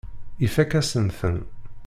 Ifakk-asen-ten.